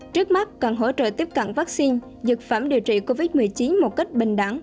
trước mắt cần hỗ trợ tiếp cận vaccine dược phẩm điều trị covid một mươi chín một cách bình đẳng